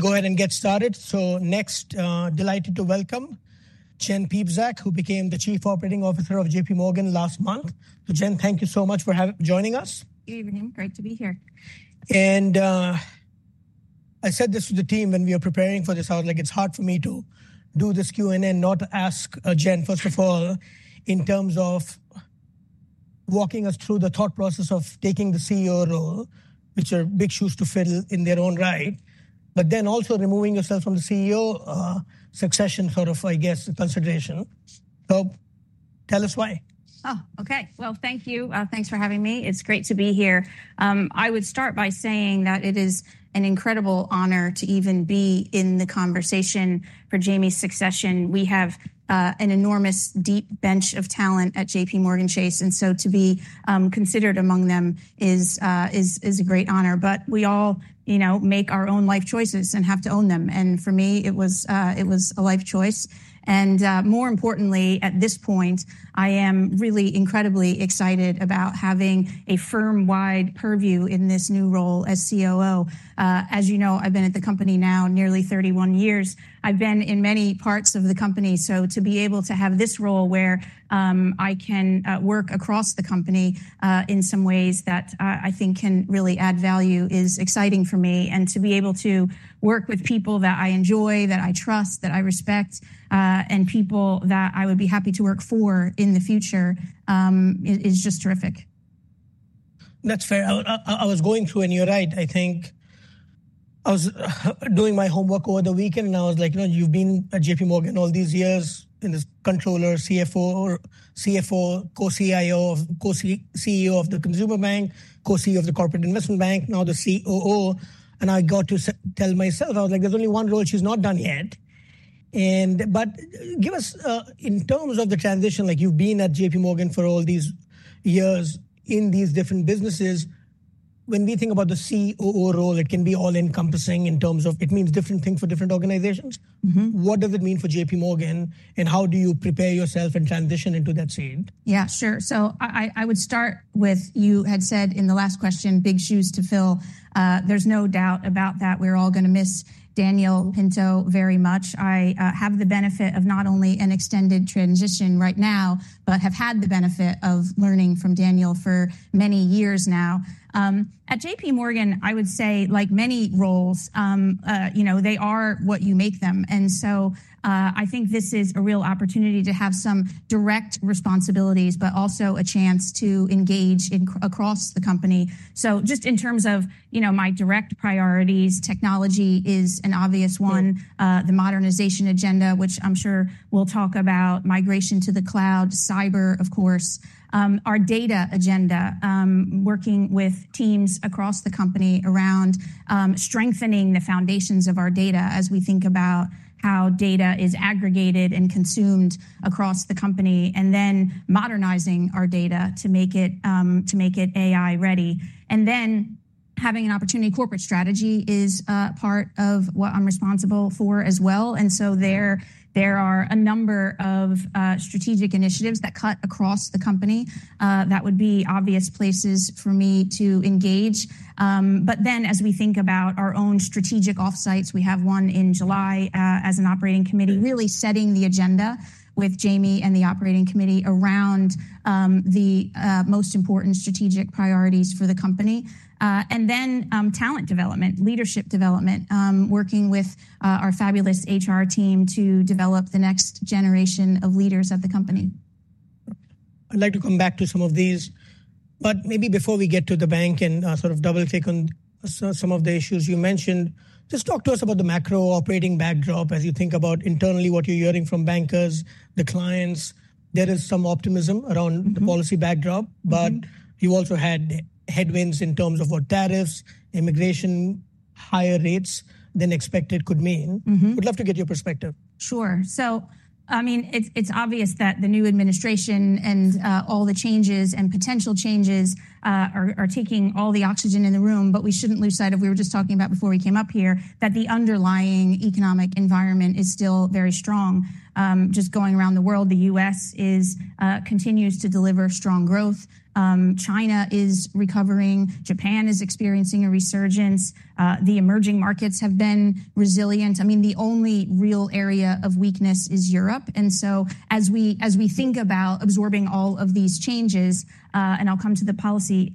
Go ahead and get started. So next, delighted to welcome Jenn Piepszak, who became the Chief Operating Officer of J.P. Morgan last month. So, Jenn, thank you so much for joining us. Good evening. Great to be here. I said this to the team when we were preparing for this. I was like, it's hard for me to do this Q&A and not ask Jenn, first of all, in terms of walking us through the thought process of taking the CEO role, which are big shoes to fill in their own right, but then also removing yourself from the CEO succession, sort of, I guess, the consideration. Tell us why. Oh, OK, well, thank you. Thanks for having me. It's great to be here. I would start by saying that it is an incredible honor to even be in the conversation for Jamie's succession. We have an enormous deep bench of talent at JPMorgan Chase, and so to be considered among them is a great honor, but we all make our own life choices and have to own them, and for me, it was a life choice, and more importantly, at this point, I am really incredibly excited about having a firm-wide purview in this new role as COO. As you know, I've been at the company now nearly 31 years. I've been in many parts of the company, so to be able to have this role where I can work across the company in some ways that I think can really add value is exciting for me. And to be able to work with people that I enjoy, that I trust, that I respect, and people that I would be happy to work for in the future is just terrific. That's fair. I was going through, and you're right, I think I was doing my homework over the weekend, and I was like, you know, you've been at JPMorgan all these years as controller, CFO, co-CEO of the Consumer Bank, co-CEO of the Corporate and Investment Bank, now the COO, and I got to tell myself, I was like, there's only one role she's not done yet, but give us, in terms of the transition, like you've been at J.P. Morgan for all these years in these different businesses, when we think about the COO role, it can be all-encompassing in terms of it means different things for different organizations. What does it mean for J.P. Morgan, and how do you prepare yourself and transition into that scene? Yeah, sure. So I would start with, you had said in the last question, big shoes to fill. There's no doubt about that. We're all going to miss Daniel Pinto very much. I have the benefit of not only an extended transition right now, but have had the benefit of learning from Daniel for many years now. At J.P. Morgan, I would say, like many roles, they are what you make them. And so I think this is a real opportunity to have some direct responsibilities, but also a chance to engage across the company. Just in terms of my direct priorities, technology is an obvious one, the modernization agenda, which I'm sure we'll talk about, migration to the cloud, cyber, of course, our data agenda, working with teams across the company around strengthening the foundations of our data as we think about how data is aggregated and consumed across the company, and then modernizing our data to make it AI-ready. And then, having an opportunity, corporate strategy is part of what I'm responsible for as well. And so there are a number of strategic initiatives that cut across the company that would be obvious places for me to engage. But then as we think about our own strategic offsites, we have one in July as an Operating Committee, really setting the agenda with Jamie and the Operating Committee around the most important strategic priorities for the company. Talent development, leadership development, working with our fabulous HR team to develop the next generation of leaders at the company. I'd like to come back to some of these. But maybe before we get to the bank and sort of double-click on some of the issues you mentioned, just talk to us about the macro operating backdrop as you think about internally what you're hearing from bankers, the clients. There is some optimism around the policy backdrop. But you also had headwinds in terms of what tariffs, immigration, higher rates than expected could mean. Would love to get your perspective. Sure. So I mean, it's obvious that the new administration and all the changes and potential changes are taking all the oxygen in the room. But we shouldn't lose sight of, we were just talking about before we came up here, that the underlying economic environment is still very strong. Just going around the world, the U.S. continues to deliver strong growth. China is recovering. Japan is experiencing a resurgence. The emerging markets have been resilient. I mean, the only real area of weakness is Europe. And so as we think about absorbing all of these changes, and I'll come to the policy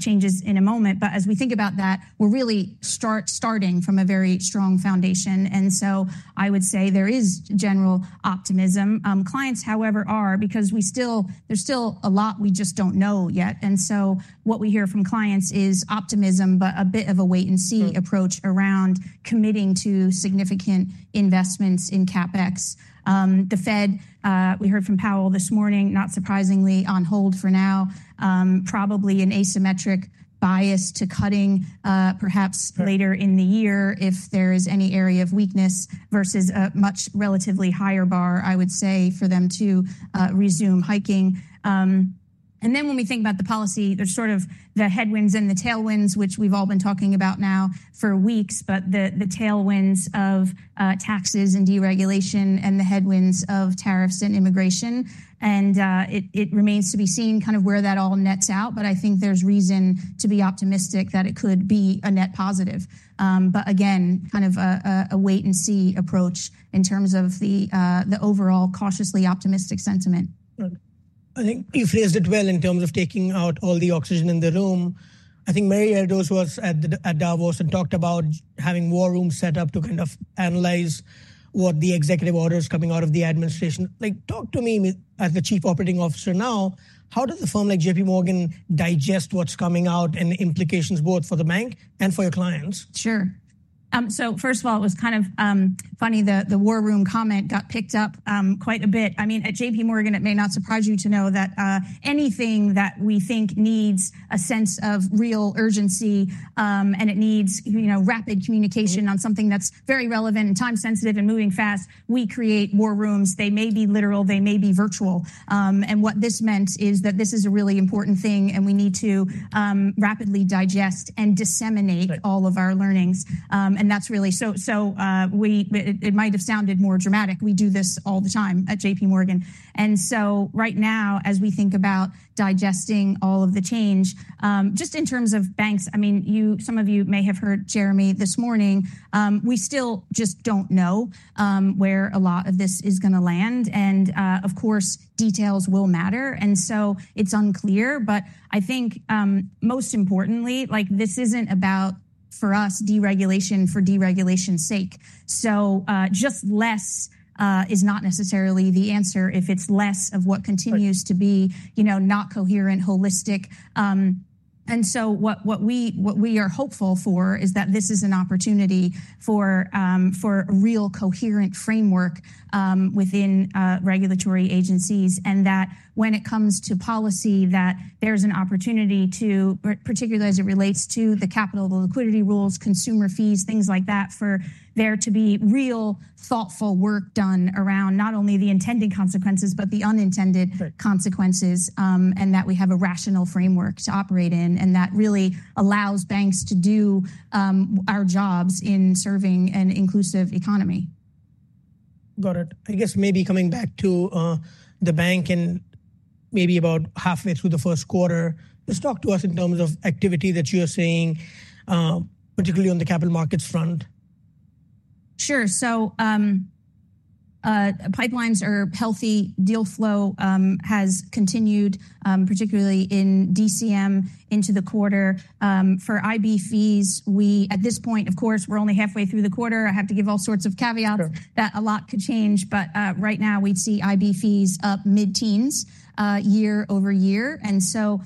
changes in a moment. But as we think about that, we're really starting from a very strong foundation. And so I would say there is general optimism. Clients, however, are, because there's still a lot we just don't know yet. And so what we hear from clients is optimism, but a bit of a wait-and-see approach around committing to significant investments in CapEx. The Fed, we heard from Powell this morning, not surprisingly on hold for now, probably an asymmetric bias to cutting perhaps later in the year if there is any area of weakness versus a much relatively higher bar, I would say, for them to resume hiking. And then when we think about the policy, there's sort of the headwinds and the tailwinds, which we've all been talking about now for weeks, but the tailwinds of taxes and deregulation and the headwinds of tariffs and immigration. And it remains to be seen kind of where that all nets out. But I think there's reason to be optimistic that it could be a net positive. But again, kind of a wait-and-see approach in terms of the overall cautiously optimistic sentiment. I think you phrased it well in terms of taking out all the oxygen in the room. I think Mary Erdoes was at Davos and talked about having war rooms set up to kind of analyze what the executive order is coming out of the administration. Talk to me as the Chief Operating Officer now, how does a firm like J.P. Morgan digest what's coming out and the implications both for the bank and for your clients? Sure. So first of all, it was kind of funny. The war room comment got picked up quite a bit. I mean, at J.P. Morgan, it may not surprise you to know that anything that we think needs a sense of real urgency and it needs rapid communication on something that's very relevant and time-sensitive and moving fast, we create war rooms. They may be literal. They may be virtual. And what this meant is that this is a really important thing. And we need to rapidly digest and disseminate all of our learnings. And that's really so it might have sounded more dramatic. We do this all the time at J.P. Morgan. And so right now, as we think about digesting all of the change, just in terms of banks, I mean, some of you may have heard Jeremy this morning. We still just don't know where a lot of this is going to land. And of course, details will matter. And so it's unclear. But I think most importantly, this isn't about, for us, deregulation for deregulation's sake. So just less is not necessarily the answer if it's less of what continues to be not coherent, holistic. And so what we are hopeful for is that this is an opportunity for a real coherent framework within regulatory agencies. And that when it comes to policy, that there is an opportunity to, particularly as it relates to the capital liquidity rules, consumer fees, things like that, for there to be real thoughtful work done around not only the intended consequences, but the unintended consequences, and that we have a rational framework to operate in. And that really allows banks to do our jobs in serving an inclusive economy. Got it. I guess maybe coming back to the bank and maybe about halfway through the first quarter, just talk to us in terms of activity that you're seeing, particularly on the capital markets front. Sure. So pipelines are healthy. Deal flow has continued, particularly in DCM into the quarter. For IB fees, we at this point, of course, we're only halfway through the quarter. I have to give all sorts of caveats that a lot could change. But right now, we'd see IB fees up mid-teens year over year. And so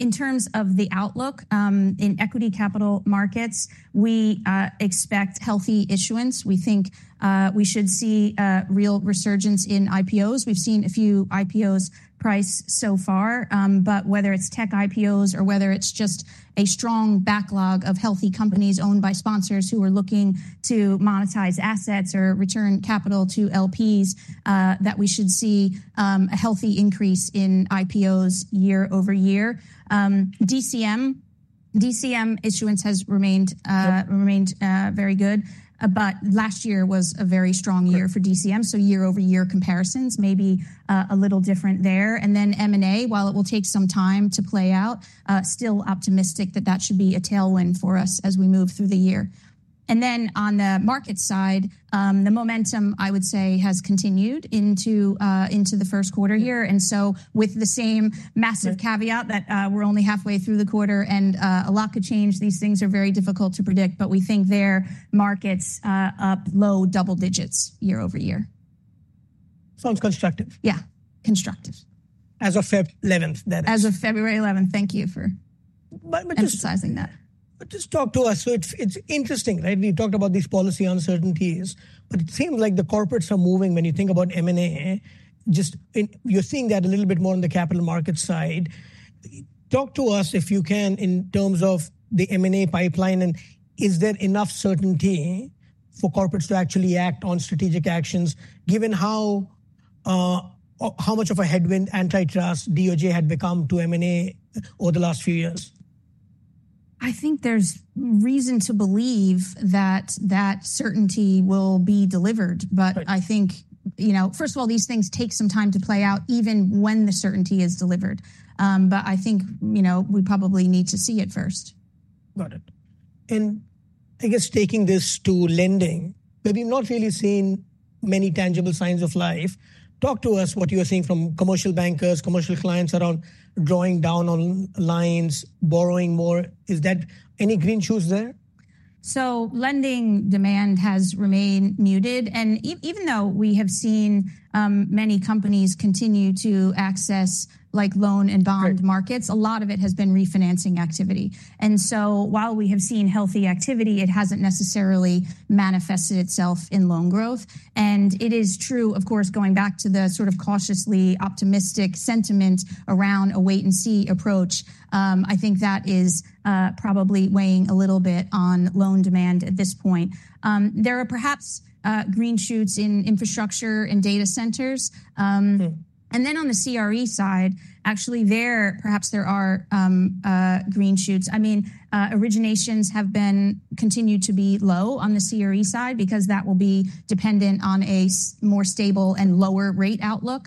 in terms of the outlook in equity capital markets, we expect healthy issuance. We think we should see real resurgence in IPOs. We've seen a few IPOs priced so far. But whether it's tech IPOs or whether it's just a strong backlog of healthy companies owned by sponsors who are looking to monetize assets or return capital to LPs, that we should see a healthy increase in IPOs year over year. DCM issuance has remained very good. But last year was a very strong year for DCM. So year-over-year comparisons may be a little different there. And then M&A, while it will take some time to play out, still optimistic that that should be a tailwind for us as we move through the year. And then on the market side, the momentum, I would say, has continued into the first quarter here. And so with the same massive caveat that we're only halfway through the quarter and a lot could change, these things are very difficult to predict. But we think the markets up low double digits year over year. Sounds constructive. Yeah, constructive. As of February 11. As of February 11. Thank you for emphasizing that. Just talk to us. So it's interesting. We've talked about these policy uncertainties. But it seems like the corporates are moving when you think about M&A. Just, you're seeing that a little bit more on the capital market side. Talk to us, if you can, in terms of the M&A pipeline. And is there enough certainty for corporates to actually act on strategic actions, given how much of a headwind antitrust DOJ had become to M&A over the last few years? I think there's reason to believe that that certainty will be delivered. But I think, first of all, these things take some time to play out even when the certainty is delivered. But I think we probably need to see it first. Got it. And I guess taking this to lending, but we've not really seen many tangible signs of life. Talk to us what you're seeing from commercial bankers, commercial clients around drawing down on lines, borrowing more. Is there any green shoots there? Lending demand has remained muted, and even though we have seen many companies continue to access loan and bond markets, a lot of it has been refinancing activity, and so while we have seen healthy activity, it hasn't necessarily manifested itself in loan growth, and it is true, of course, going back to the sort of cautiously optimistic sentiment around a wait-and-see approach. I think that is probably weighing a little bit on loan demand at this point. There are perhaps green shoots in infrastructure and data centers, and then on the CRE side, actually, there perhaps are green shoots. I mean, originations have continued to be low on the CRE side because that will be dependent on a more stable and lower rate outlook,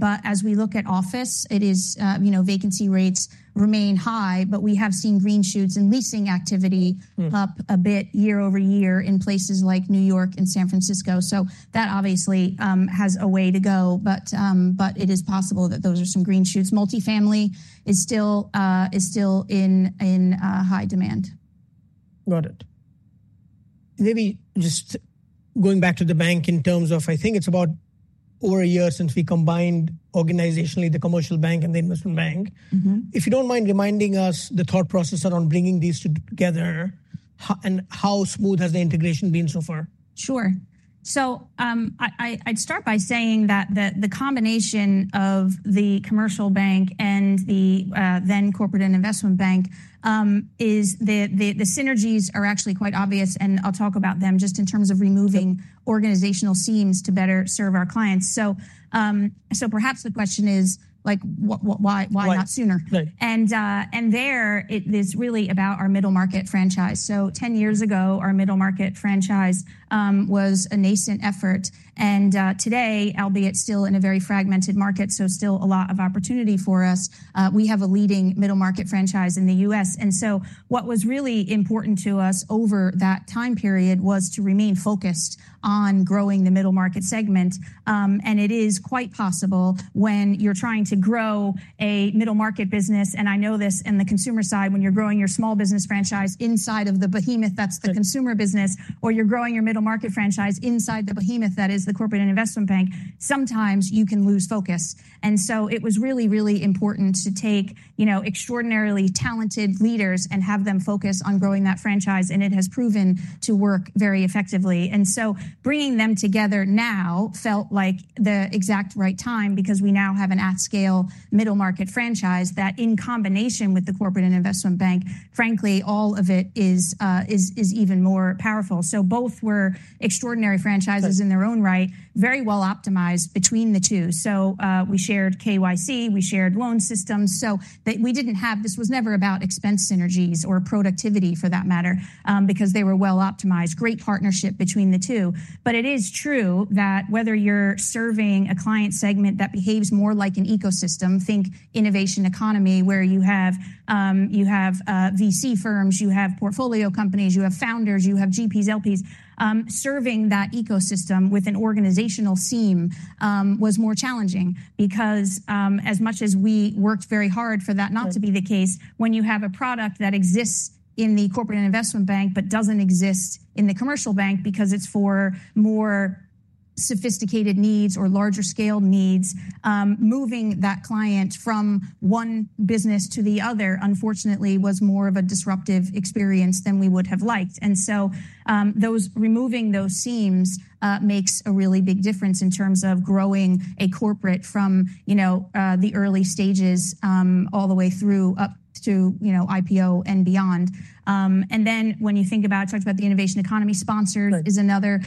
but as we look at office, vacancy rates remain high. But we have seen green shoots and leasing activity up a bit year over year in places like New York and San Francisco. So that obviously has a way to go. But it is possible that those are some green shoots. Multifamily is still in high demand. Got it. Maybe just going back to the bank in terms of, I think it's about over a year since we combined organizationally the Commercial Bank and the Investment Bank. If you don't mind reminding us the thought process around bringing these together, how smooth has the integration been so far? Sure. So I'd start by saying that the combination of the Commercial Bank and the then Corporate and Investment Bank, the synergies are actually quite obvious. And I'll talk about them just in terms of removing organizational seams to better serve our clients. So perhaps the question is, why not sooner? And there it is really about our middle market franchise. So 10 years ago, our middle market franchise was a nascent effort. And today, albeit still in a very fragmented market, so still a lot of opportunity for us, we have a leading middle market franchise in the U.S. And so what was really important to us over that time period was to remain focused on growing the middle market segment. And it is quite possible when you're trying to grow a middle market business, and I know this in the consumer side, when you're growing your small business franchise inside of the behemoth that's the consumer business, or you're growing your middle market franchise inside the behemoth that is the Corporate and Investment Bank, sometimes you can lose focus. And so it was really, really important to take extraordinarily talented leaders and have them focus on growing that franchise. And it has proven to work very effectively. And so bringing them together now felt like the exact right time because we now have an at-scale middle market franchise that, in combination with the Corporate and Investment Bank, frankly, all of it is even more powerful. So both were extraordinary franchises in their own right, very well optimized between the two. So we shared KYC. We shared loan systems. So we didn't have this. This was never about expense synergies or productivity for that matter because they were well optimized. Great partnership between the two. But it is true that whether you're serving a client segment that behaves more like an ecosystem, think innovation economy where you have VC firms, you have portfolio companies, you have founders, you have GPs, LPs, serving that ecosystem with an organizational seam was more challenging because as much as we worked very hard for that not to be the case, when you have a product that exists in the Corporate and Investment Bank but doesn't exist in the Commercial Bank because it's for more sophisticated needs or larger scale needs, moving that client from one business to the other, unfortunately, was more of a disruptive experience than we would have liked. Removing those seams makes a really big difference in terms of growing a corporate from the early stages all the way through up to IPO and beyond. When you think about the innovation economy, sponsored is another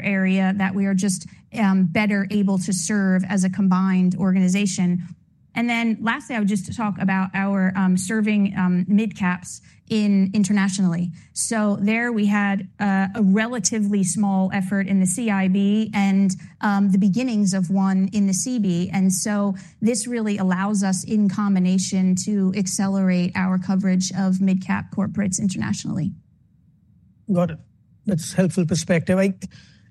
area that we are just better able to serve as a combined organization. Lastly, I would just talk about our serving mid-caps internationally. There we had a relatively small effort in the CIB and the beginnings of one in the CB. This really allows us in combination to accelerate our coverage of mid-cap corporates internationally. Got it. That's a helpful perspective.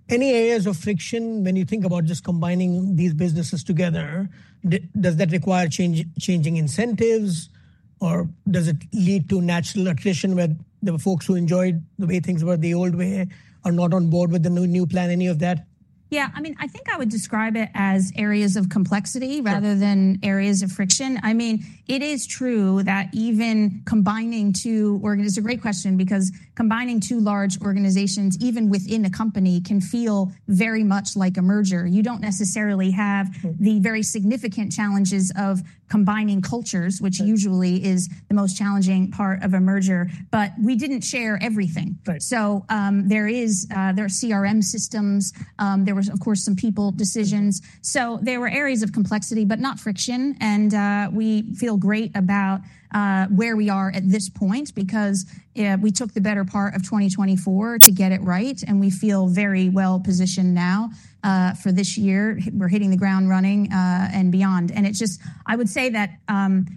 Any areas of friction when you think about just combining these businesses together? Does that require changing incentives? Or does it lead to natural attrition where the folks who enjoyed the way things were the old way are not on board with the new plan, any of that? Yeah. I mean, I think I would describe it as areas of complexity rather than areas of friction. I mean, it is true that even combining two it's a great question because combining two large organizations, even within a company, can feel very much like a merger. You don't necessarily have the very significant challenges of combining cultures, which usually is the most challenging part of a merger. But we didn't share everything. So there are CRM systems. There were, of course, some people decisions. So there were areas of complexity, but not friction. And we feel great about where we are at this point because we took the better part of 2024 to get it right. And we feel very well positioned now for this year. We're hitting the ground running and beyond. And I would say that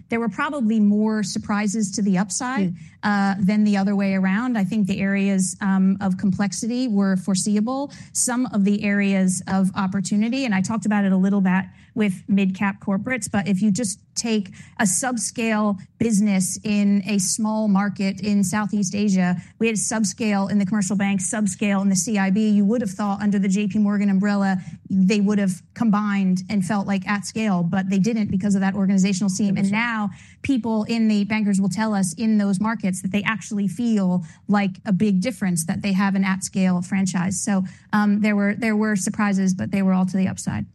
there were probably more surprises to the upside than the other way around. I think the areas of complexity were foreseeable, some of the areas of opportunity. And I talked about it a little bit with mid-cap corporates. But if you just take a subscale business in a small market in Southeast Asia, we had subscale in the Commercial Bank, subscale in the CIB. You would have thought under the J.P. Morgan umbrella, they would have combined and felt like at scale. But they didn't because of that organizational seam. And now people in the bankers will tell us in those markets that they actually feel like a big difference that they have an at-scale franchise. So there were surprises, but they were all to the upside.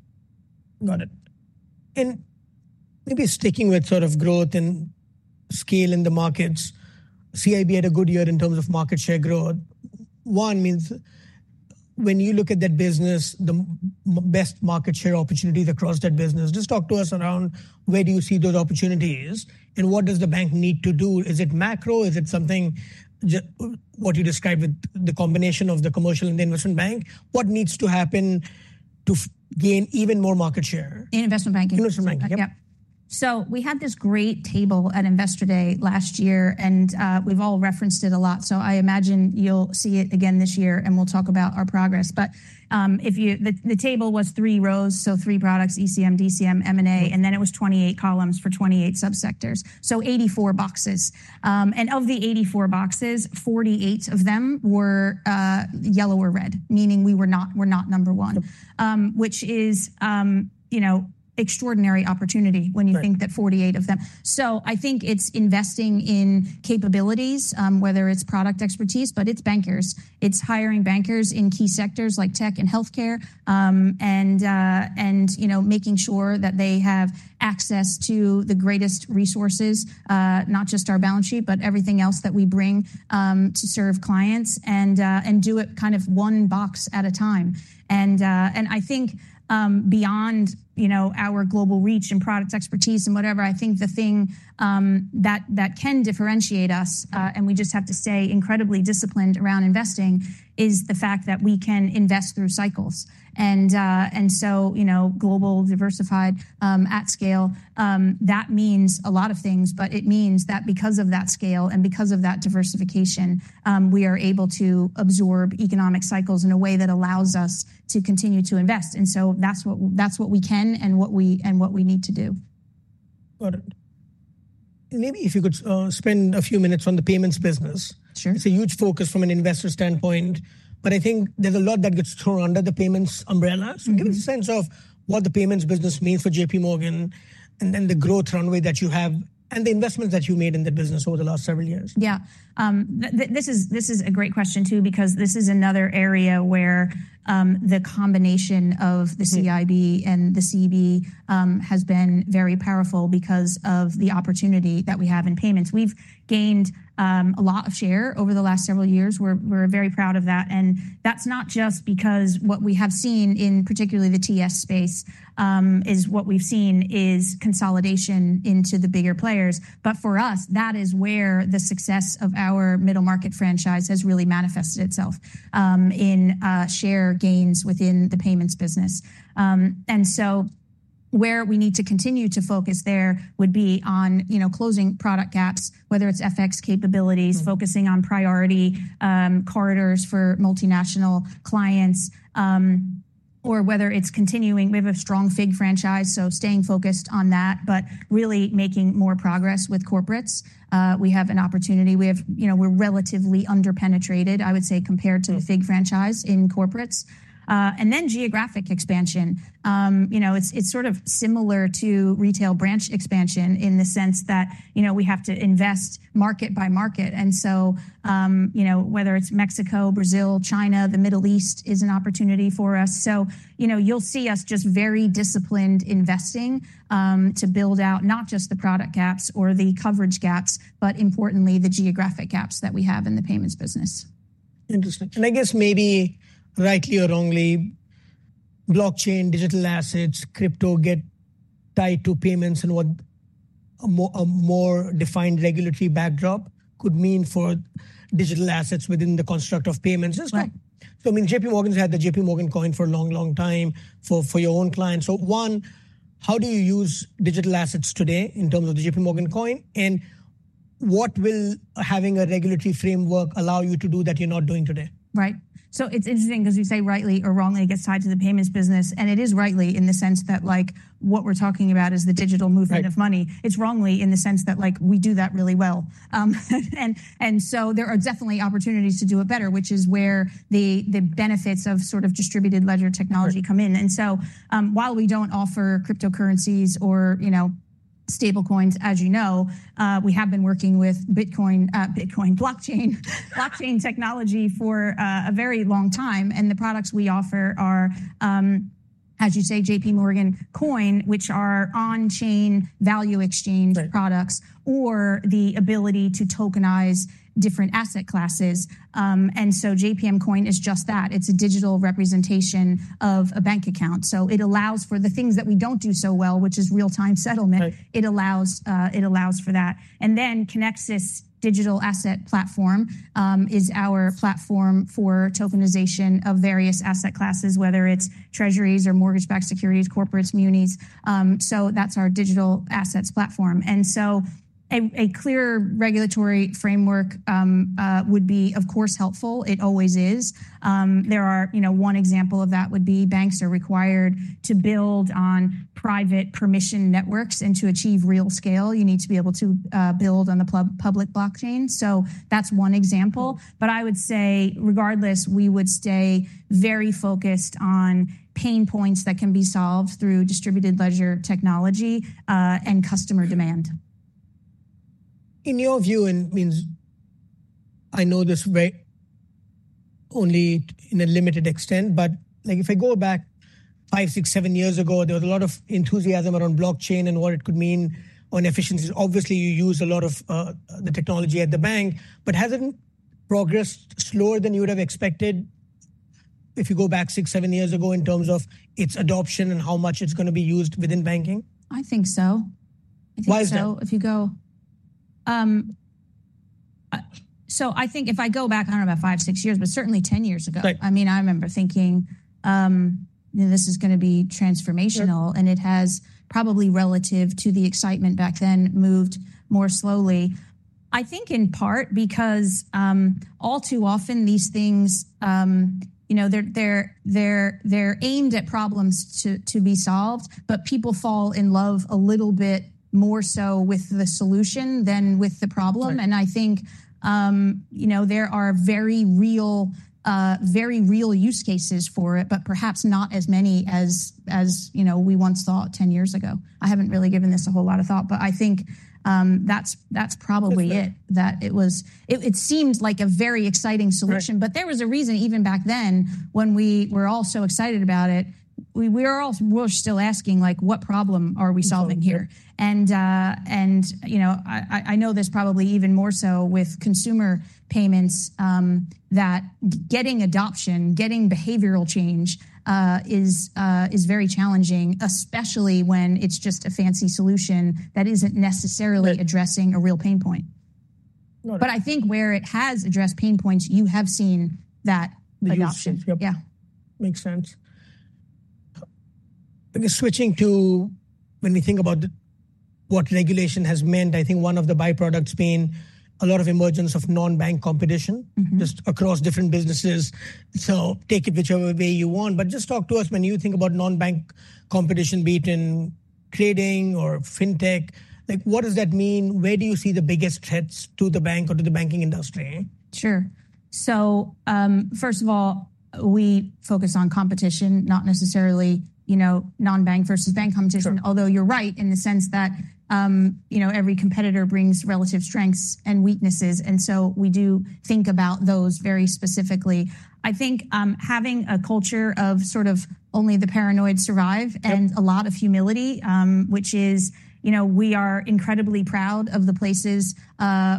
Got it. And maybe sticking with sort of growth and scale in the markets, CIB had a good year in terms of market share growth. When you look at that business, the best market share opportunities across that business, just talk to us around where do you see those opportunities? And what does the bank need to do? Is it macro? Is it something what you described with the combination of the commercial and the Investment Bank? What needs to happen to gain even more market share? In investment banking. Investment banking. Yep. So we had this great table at Investor Day last year, and we've all referenced it a lot. So I imagine you'll see it again this year, and we'll talk about our progress. But the table was three rows, so three products, ECM, DCM, M&A, and then it was 28 columns for 28 subsectors, so 84 boxes. And of the 84 boxes, 48 of them were yellow or red, meaning we were not number one, which is extraordinary opportunity when you think that 48 of them. So I think it's investing in capabilities, whether it's product expertise, but it's bankers. It's hiring bankers in key sectors like tech and healthcare and making sure that they have access to the greatest resources, not just our balance sheet, but everything else that we bring to serve clients and do it kind of one box at a time. I think beyond our global reach and product expertise and whatever, I think the thing that can differentiate us, and we just have to stay incredibly disciplined around investing, is the fact that we can invest through cycles. Global, diversified, at scale, that means a lot of things. It means that because of that scale and because of that diversification, we are able to absorb economic cycles in a way that allows us to continue to invest. That's what we can and what we need to do. Got it. Maybe if you could spend a few minutes on the payments business. Sure. It's a huge focus from an investor standpoint. But I think there's a lot that gets thrown under the payments umbrella. So give us a sense of what the payments business means for J.P. Morgan and then the growth runway that you have and the investments that you made in the business over the last several years. Yeah. This is a great question too because this is another area where the combination of the CIB and the CB has been very powerful because of the opportunity that we have in payments. We've gained a lot of share over the last several years. We're very proud of that. And that's not just because what we have seen in particular the TS space is consolidation into the bigger players. But for us, that is where the success of our middle market franchise has really manifested itself in share gains within the payments business. And so where we need to continue to focus there would be on closing product gaps, whether it's FX capabilities, focusing on priority corridors for multinational clients, or whether it's continuing. We have a strong FIG franchise, so staying focused on that, but really making more progress with corporates. We have an opportunity. We're relatively underpenetrated, I would say, compared to the FIG franchise in corporates, and then geographic expansion. It's sort of similar to retail branch expansion in the sense that we have to invest market by market. And so whether it's Mexico, Brazil, China, the Middle East is an opportunity for us. So you'll see us just very disciplined investing to build out not just the product gaps or the coverage gaps, but importantly, the geographic gaps that we have in the payments business. Interesting, and I guess maybe rightly or wrongly, blockchain, digital assets, crypto get tied to payments and what a more defined regulatory backdrop could mean for digital assets within the construct of payments. Right. So I mean, J.P. Morgan's had the JPM Coin for a long, long time for your own clients. So one, how do you use digital assets today in terms of the JPM Coin? And what will having a regulatory framework allow you to do that you're not doing today? Right. So it's interesting because you say rightly or wrongly gets tied to the payments business. And it is rightly in the sense that what we're talking about is the digital movement of money. It's wrongly in the sense that we do that really well. And so there are definitely opportunities to do it better, which is where the benefits of sort of distributed ledger technology come in. And so while we don't offer cryptocurrencies or stablecoins, as you know, we have been working with Bitcoin, blockchain technology for a very long time. And the products we offer are, as you say, JPM Coin, which are on-chain value exchange products or the ability to tokenize different asset classes. And so JPM Coin is just that. It's a digital representation of a bank account. So it allows for the things that we don't do so well, which is real-time settlement. It allows for that. And then Kinexys Digital Assets Platform is our platform for tokenization of various asset classes, whether it's treasuries or mortgage-backed securities, corporates, munis. So that's our digital assets platform. And so a clear regulatory framework would be, of course, helpful. It always is. One example of that would be banks are required to build on private permissioned networks. And to achieve real scale, you need to be able to build on the public blockchain. So that's one example. But I would say, regardless, we would stay very focused on pain points that can be solved through distributed ledger technology and customer demand. In your view, and I know this only in a limited extent, but if I go back five, six, seven years ago, there was a lot of enthusiasm around blockchain and what it could mean on efficiencies. Obviously, you use a lot of the technology at the bank. But hasn't progress slower than you would have expected if you go back six, seven years ago in terms of its adoption and how much it's going to be used within banking? I think so. Why is that? I think if I go back, I don't know about five, six years, but certainly 10 years ago, I mean, I remember thinking this is going to be transformational, and it has probably, relative to the excitement back then, moved more slowly. I think in part because all too often these things, they're aimed at problems to be solved, but people fall in love a little bit more so with the solution than with the problem, and I think there are very real use cases for it, but perhaps not as many as we once thought 10 years ago. I haven't really given this a whole lot of thought, but I think that's probably it, that it seemed like a very exciting solution. But there was a reason even back then when we were all so excited about it, we're still asking what problem are we solving here? And I know this probably even more so with consumer payments than getting adoption, getting behavioral change is very challenging, especially when it's just a fancy solution that isn't necessarily addressing a real pain point. But I think where it has addressed pain points, you have seen that adoption. Yeah. Makes sense. Switching to when we think about what regulation has meant, I think one of the byproducts being a lot of emergence of non-bank competition just across different businesses. So take it whichever way you want. But just talk to us when you think about non-bank competition be it in trading or fintech. What does that mean? Where do you see the biggest threats to the bank or to the banking industry? Sure, so first of all, we focus on competition, not necessarily non-bank versus bank competition, although you're right in the sense that every competitor brings relative strengths and weaknesses, and so we do think about those very specifically. I think having a culture of sort of only the paranoid survive and a lot of humility, which is we are incredibly proud of the places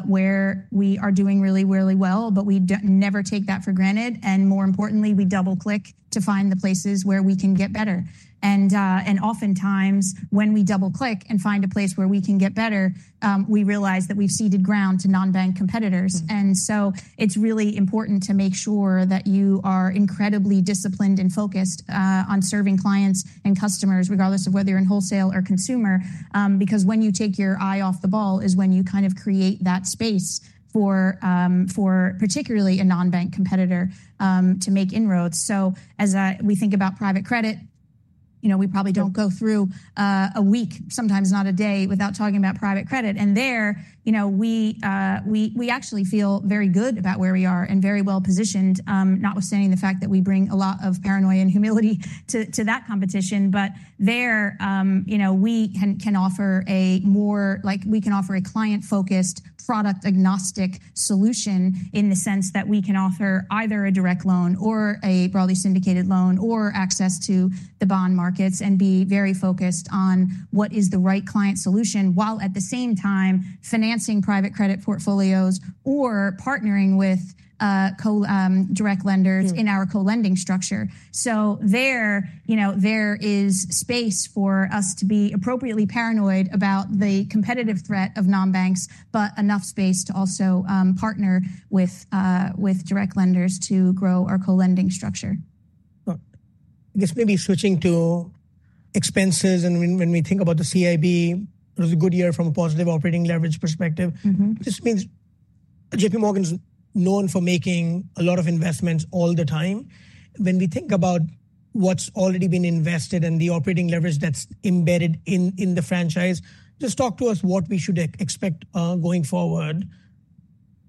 where we are doing really, really well, but we never take that for granted, and more importantly, we double-click to find the places where we can get better, and oftentimes, when we double-click and find a place where we can get better, we realize that we've ceded ground to non-bank competitors, and so it's really important to make sure that you are incredibly disciplined and focused on serving clients and customers, regardless of whether you're in wholesale or consumer. Because when you take your eye off the ball is when you kind of create that space for particularly a non-bank competitor to make inroads. So as we think about private credit, we probably don't go through a week, sometimes not a day, without talking about private credit. And there, we actually feel very good about where we are and very well-positioned, notwithstanding the fact that we bring a lot of paranoia and humility to that competition. But there, we can offer a client-focused, product-agnostic solution in the sense that we can offer either a direct loan or a broadly syndicated loan or access to the bond markets and be very focused on what is the right client solution while at the same time financing private credit portfolios or partnering with direct lenders in our co-lending structure. So there is space for us to be appropriately paranoid about the competitive threat of non-banks, but enough space to also partner with direct lenders to grow our co-lending structure. I guess maybe switching to expenses, and when we think about the CIB, it was a good year from a positive operating leverage perspective. This means J.P. Morgan's known for making a lot of investments all the time. When we think about what's already been invested and the operating leverage that's embedded in the franchise, just talk to us what we should expect going forward.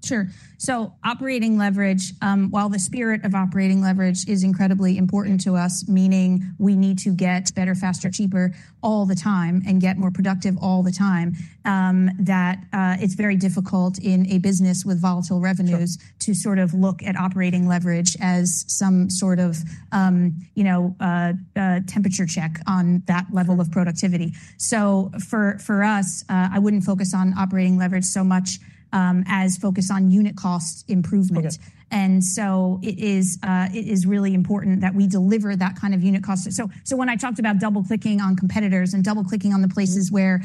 Sure, so operating leverage, while the spirit of operating leverage is incredibly important to us, meaning we need to get better, faster, cheaper all the time and get more productive all the time, that it's very difficult in a business with volatile revenues to sort of look at operating leverage as some sort of temperature check on that level of productivity. So for us, I wouldn't focus on operating leverage so much as focus on unit cost improvement, and so it is really important that we deliver that kind of unit cost, so when I talked about double-clicking on competitors and double-clicking on the places where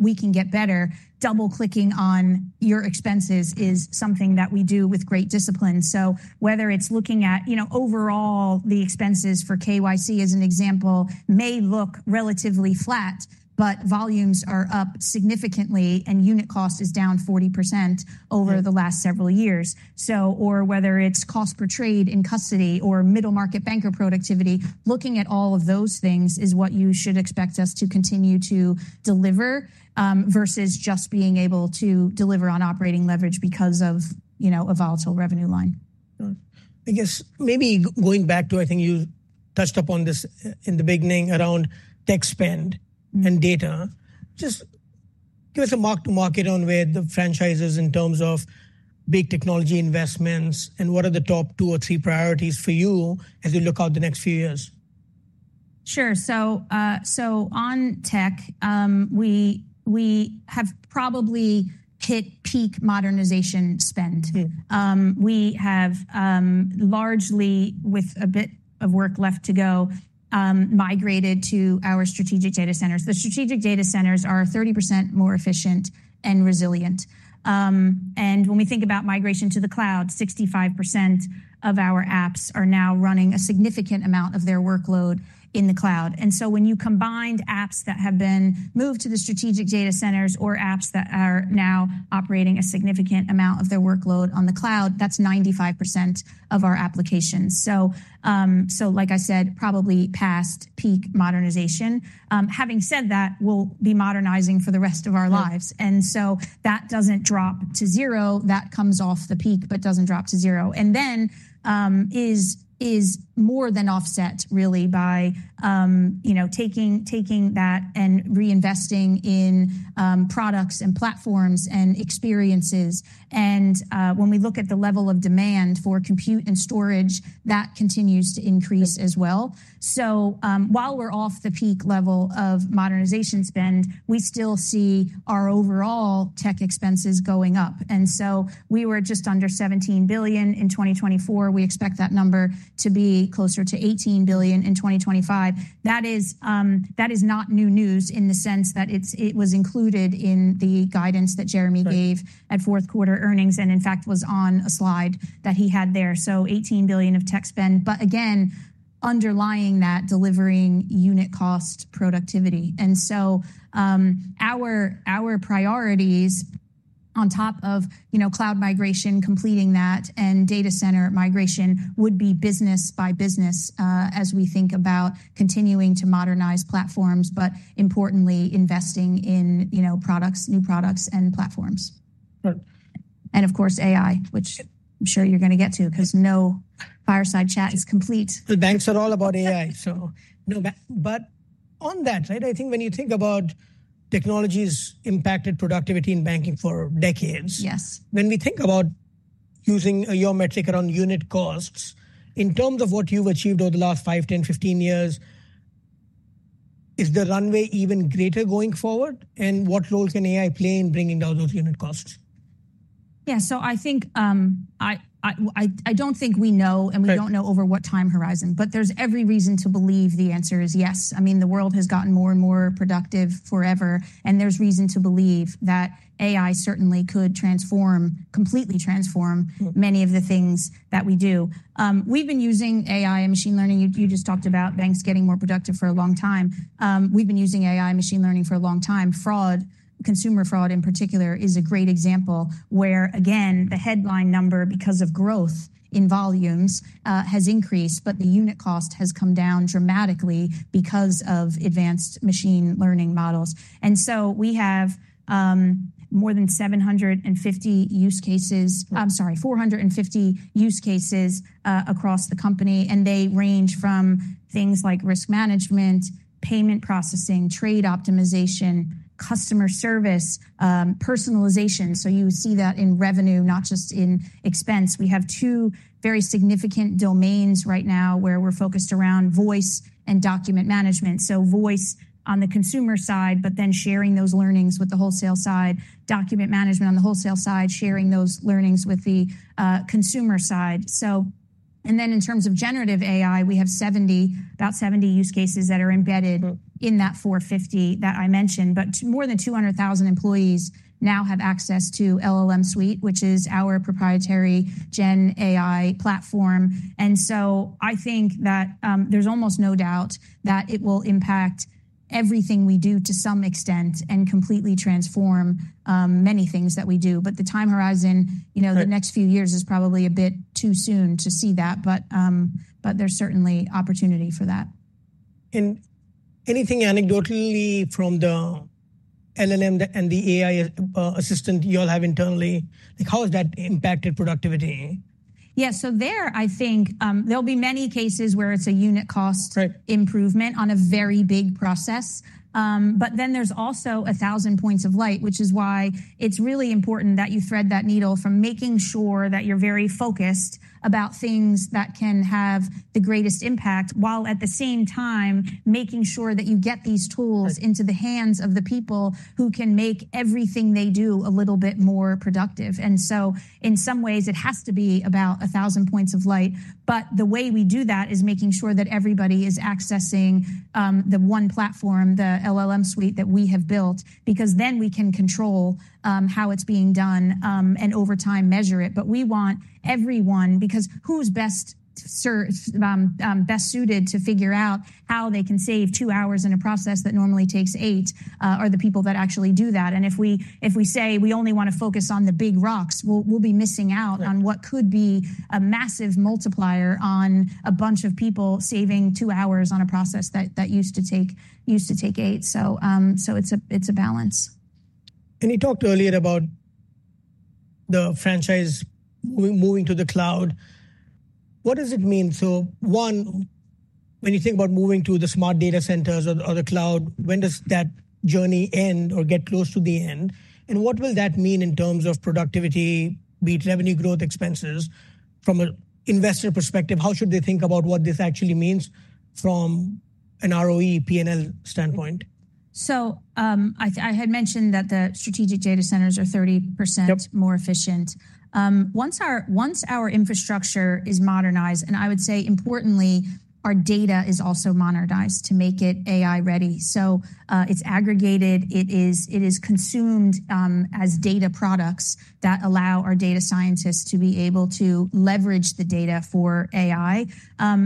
we can get better, double-clicking on your expenses is something that we do with great discipline. Whether it's looking at overall, the expenses for KYC as an example may look relatively flat, but volumes are up significantly and unit cost is down 40% over the last several years, or whether it's cost per trade in custody or middle market banker productivity. Looking at all of those things is what you should expect us to continue to deliver versus just being able to deliver on operating leverage because of a volatile revenue line. I guess maybe going back to, I think you touched upon this in the beginning around tech spend and data, just give us a mark-to-market on where the franchise is in terms of big technology investments, and what are the top two or three priorities for you as you look out the next few years? Sure. So on tech, we have probably hit peak modernization spend. We have largely, with a bit of work left to go, migrated to our strategic data centers. The strategic data centers are 30% more efficient and resilient. And when we think about migration to the cloud, 65% of our apps are now running a significant amount of their workload in the cloud. And so when you combined apps that have been moved to the strategic data centers or apps that are now operating a significant amount of their workload on the cloud, that's 95% of our applications. So like I said, probably past peak modernization. Having said that, we'll be modernizing for the rest of our lives. And so that doesn't drop to zero. That comes off the peak, but doesn't drop to zero. And then is more than offset, really, by taking that and reinvesting in products and platforms and experiences. And when we look at the level of demand for compute and storage, that continues to increase as well. So while we're off the peak level of modernization spend, we still see our overall tech expenses going up. And so we were just under $17 billion in 2024. We expect that number to be closer to $18 billion in 2025. That is not new news in the sense that it was included in the guidance that Jeremy gave at fourth quarter earnings and in fact was on a slide that he had there. So $18 billion of tech spend. But again, underlying that, delivering unit cost productivity. And so our priorities on top of cloud migration, completing that, and data center migration would be business by business as we think about continuing to modernize platforms, but importantly, investing in new products and platforms. And of course, AI, which I'm sure you're going to get to because no fireside chat is complete. The banks are all about AI, but on that, I think when you think about technologies impacted productivity in banking for decades, when we think about using your metric around unit costs in terms of what you've achieved over the last five, 10, 15 years, is the runway even greater going forward? And what role can AI play in bringing down those unit costs? Yeah. So I don't think we know, and we don't know over what time horizon. But there's every reason to believe the answer is yes. I mean, the world has gotten more and more productive forever. And there's reason to believe that AI certainly could transform, completely transform many of the things that we do. We've been using AI and machine learning. You just talked about banks getting more productive for a long time. We've been using AI and machine learning for a long time. Fraud, consumer fraud in particular, is a great example where, again, the headline number because of growth in volumes has increased, but the unit cost has come down dramatically because of advanced machine learning models. And so we have more than 750 use cases. I'm sorry, 450 use cases across the company. And they range from things like risk management, payment processing, trade optimization, customer service, personalization. So you see that in revenue, not just in expense. We have two very significant domains right now where we're focused around voice and document management. So voice on the consumer side, but then sharing those learnings with the wholesale side, document management on the wholesale side, sharing those learnings with the consumer side. And then in terms of generative AI, we have about 70 use cases that are embedded in that 450 that I mentioned. But more than 200,000 employees now have access to LLM Suite, which is our proprietary Gen AI platform. And so I think that there's almost no doubt that it will impact everything we do to some extent and completely transform many things that we do. But the time horizon, the next few years is probably a bit too soon to see that. But there's certainly opportunity for that. Anything anecdotally from the LLM and the AI assistant you all have internally, how has that impacted productivity? Yeah. So, there, I think there'll be many cases where it's a unit cost improvement on a very big process. But then there's also 1,000 points of light, which is why it's really important that you thread that needle from making sure that you're very focused about things that can have the greatest impact while at the same time making sure that you get these tools into the hands of the people who can make everything they do a little bit more productive. And so in some ways, it has to be about 1,000 points of light. But the way we do that is making sure that everybody is accessing the one platform, the LLM Suite that we have built, because then we can control how it's being done and over time measure it. But we want everyone, because who's best suited to figure out how they can save two hours in a process that normally takes eight, are the people that actually do that. And if we say we only want to focus on the big rocks, we'll be missing out on what could be a massive multiplier on a bunch of people saving two hours on a process that used to take eight. So it's a balance. You talked earlier about the franchise moving to the cloud. What does it mean? One, when you think about moving to the smart data centers or the cloud, when does that journey end or get close to the end? What will that mean in terms of productivity, be it revenue growth, expenses? From an investor perspective, how should they think about what this actually means from an ROE, P&L standpoint? I had mentioned that the strategic data centers are 30% more efficient. Once our infrastructure is modernized, and I would say importantly, our data is also modernized to make it AI ready. It's aggregated. It is consumed as data products that allow our data scientists to be able to leverage the data for AI.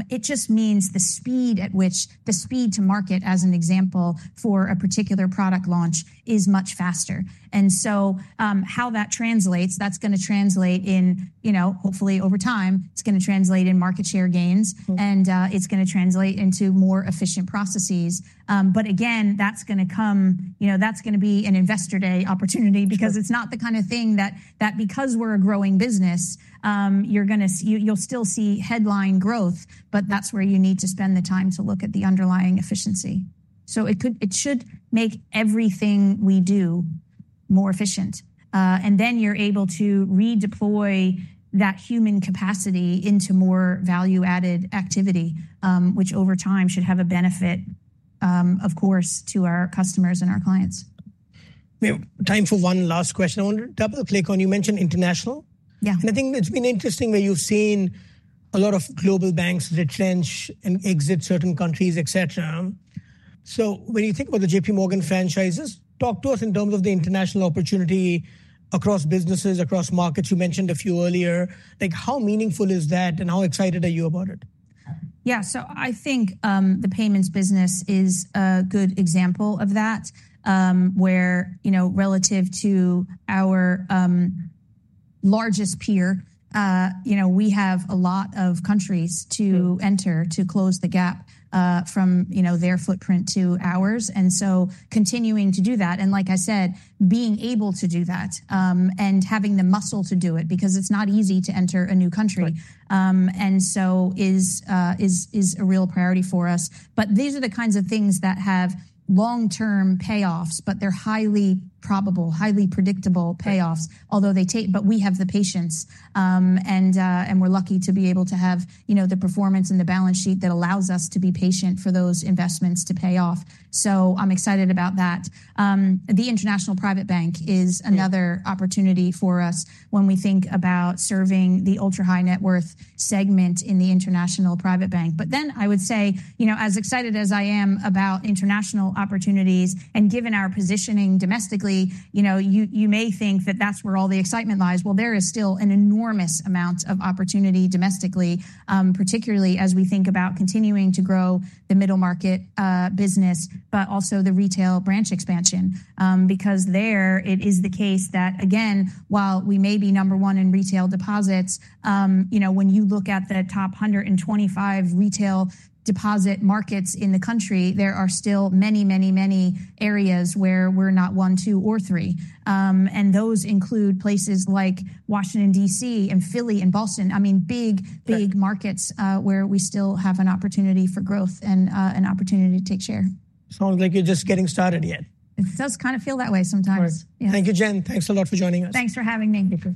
It just means the speed at which the speed to market, as an example for a particular product launch, is much faster. How that translates, that's going to translate in hopefully over time, it's going to translate in market share gains, and it's going to translate into more efficient processes. But again, that's going to be an investor day opportunity because it's not the kind of thing that, because we're a growing business, you'll still see headline growth, but that's where you need to spend the time to look at the underlying efficiency. So it should make everything we do more efficient. And then you're able to redeploy that human capacity into more value-added activity, which over time should have a benefit, of course, to our customers and our clients. Time for one last question. I want to double-click on you mentioned international. And I think it's been interesting where you've seen a lot of global banks retrench and exit certain countries, etc. So when you think about the J.P. Morgan franchises, talk to us in terms of the international opportunity across businesses, across markets. You mentioned a few earlier. How meaningful is that and how excited are you about it? Yeah. So I think the payments business is a good example of that, where relative to our largest peer, we have a lot of countries to enter to close the gap from their footprint to ours. And so continuing to do that, and like I said, being able to do that and having the muscle to do it because it's not easy to enter a new country, and so is a real priority for us. But these are the kinds of things that have long-term payoffs, but they're highly probable, highly predictable payoffs, although they take but we have the patience. And we're lucky to be able to have the performance and the balance sheet that allows us to be patient for those investments to pay off. So I'm excited about that. The International Private Bank is another opportunity for us when we think about serving the ultra-high net worth segment in the International Private Bank. But then I would say, as excited as I am about international opportunities, and given our positioning domestically, you may think that that's where all the excitement lies, well, there is still an enormous amount of opportunity domestically, particularly as we think about continuing to grow the middle market business, but also the retail branch expansion. Because there it is the case that, again, while we may be number one in retail deposits, when you look at the top 125 retail deposit markets in the country, there are still many, many, many areas where we're not one, two, or three. And those include places like Washington, D.C., and Philly and Boston. I mean, big, big markets where we still have an opportunity for growth and an opportunity to take share. Sounds like you're just getting started yet. It does kind of feel that way sometimes. Thank you, Jenn. Thanks a lot for joining us. Thanks for having me.